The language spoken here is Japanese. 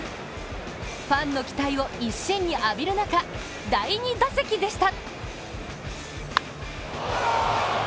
ファンの期待を一身に浴びる中、第２打席でした。